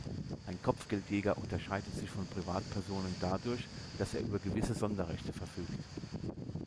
Ein Kopfgeldjäger unterscheidet sich von Privatpersonen dadurch, dass er über gewisse Sonderrechte verfügt.